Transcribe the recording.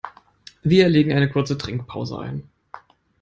Wir legen eine kurze Trinkpause ein.